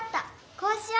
こうしよう。